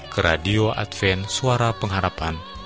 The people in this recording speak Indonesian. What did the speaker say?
ke radio advent suara pengharapan